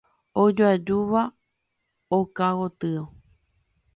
Ojoajúva oka gotyo.